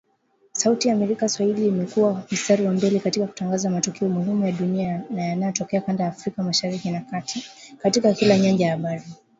Sauti ya Amerika Swahili imekua mstari wa mbele katika kutangaza matukio muhimu ya dunia na yanayotokea kanda ya Afrika Mashariki na Kati, katika kila nyanja ya habari